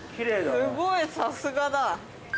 すごいさすがだ。